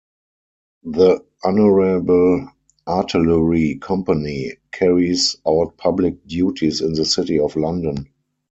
The Honourable Artillery Company carries out public duties in the City of London.